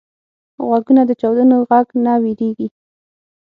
غوږونه د چاودنو غږ نه وېریږي